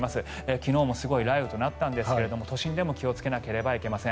昨日もすごい雷雨となったんですが都心でも気をつけなければなりません。